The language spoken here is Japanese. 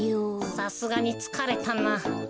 さすがにつかれたな。